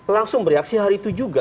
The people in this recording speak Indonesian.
langsung bereaksi hari itu juga